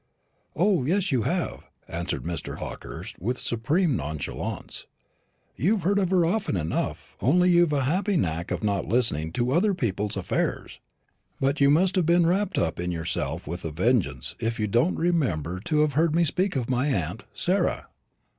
"O yes you have," answered Mr. Hawkehurst, with supreme nonchalance; "you've heard of her often enough, only you've a happy knack of not listening to other people's affairs. But you must have been wrapped up in yourself with a vengeance if you don't remember to have heard me speak of my aunt Sarah."